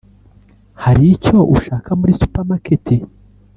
hari icyo ushaka muri supermarket?